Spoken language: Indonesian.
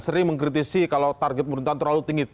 sering mengkritisi kalau target pemerintahan terlalu tinggi